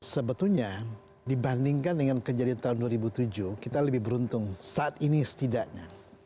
sebetulnya dibandingkan dengan kejadian tahun dua ribu tujuh kita lebih beruntung saat ini setidaknya